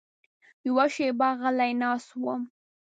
یوه شېبه غلی ناست وم.